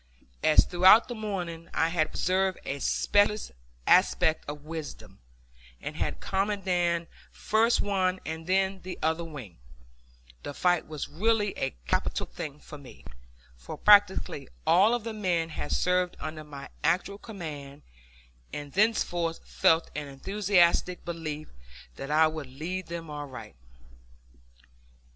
As throughout the morning I had preserved a specious aspect of wisdom, and had commanded first one and then the other wing, the fight was really a capital thing for me, for practically all the men had served under my actual command, and thenceforth felt an enthusiastic belief that I would lead them aright.